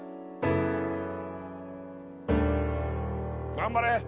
頑張れ！